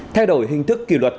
thay đổi hình thức kiểu luật